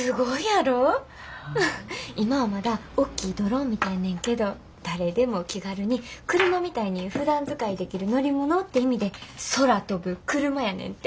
今はまだおっきいドローンみたいねんけど誰でも気軽に車みたいにふだん使いできる乗り物って意味で空飛ぶクルマやねんて。